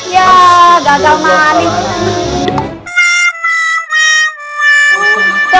ya udah lebih baik sekarang kita semua keluar ya